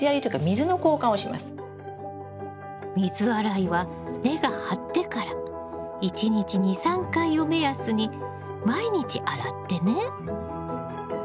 水洗いは根が張ってから１日２３回を目安に毎日洗ってね。